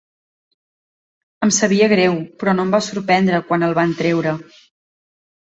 Em sabia greu, però no em va sorprendre quan el van treure.